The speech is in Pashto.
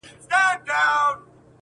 یو یار دي زه یم نور دي څو نیولي دینه-